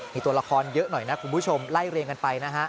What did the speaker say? มีตัวละครเยอะหน่อยนะคุณผู้ชมไล่เรียงกันไปนะฮะ